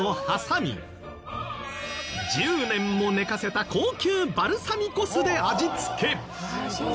１０年も寝かせた高級バルサミコ酢で味付け。